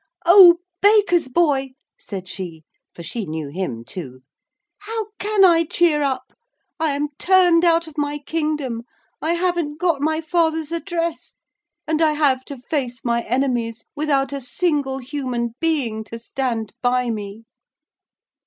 'Oh, Baker's Boy,' said she, for she knew him too, 'how can I cheer up? I am turned out of my kingdom. I haven't got my father's address, and I have to face my enemies without a single human being to stand by me.'